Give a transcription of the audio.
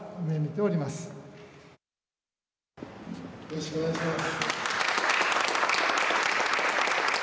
よろしくお願いします。